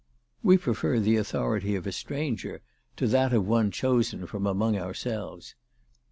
We prefer the authority of a stranger to that of one chosen from among ourselves.